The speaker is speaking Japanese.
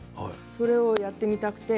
それをやってみたくて。